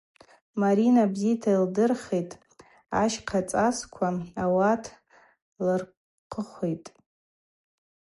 Марина бзита йылдыритӏ ащхъа цӏасква, ауат лырхъвыхитӏ.